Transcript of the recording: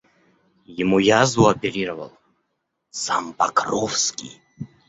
Ему язву оперировал сам Покровский.